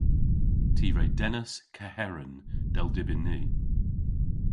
Ty re dennas keheren, dell dybyn ni.